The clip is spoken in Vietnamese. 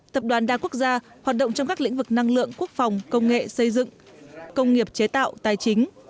tập đoàn đa quốc gia hoạt động trong các lĩnh vực năng lượng quốc phòng công nghệ xây dựng công nghiệp chế tạo tài chính